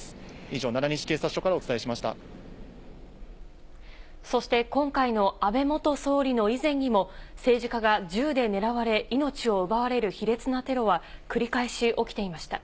以上、奈良西警察署からお伝えしそして、今回の安倍元総理の以前にも、政治家が銃で狙われ、命を奪われる卑劣なテロは、繰り返し起きていました。